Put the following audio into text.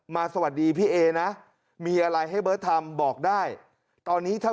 สวัสดีพี่เอนะมีอะไรให้เบิร์ตทำบอกได้ตอนนี้ถ้า